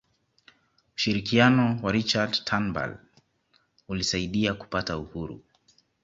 ushirikiano wa richard turnbull ulisaidia kupata uhuru